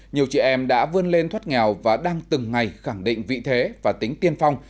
nhiều chị em đã vươn lên thoát nghèo và đang từng ngày khẳng định vị thế và tính tiên phong